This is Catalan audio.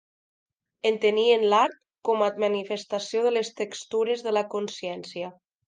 Entenien l'art com a manifestació de les textures de la consciència.